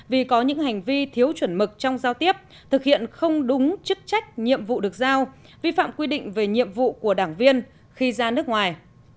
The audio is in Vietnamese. vì có những hành vi thiếu chuẩn mực trong giao tiếp thực hiện không đúng chức trách nhiệm vụ được giao vi phạm quy định về nhiệm vụ của đảng viên khi ra nước ngoài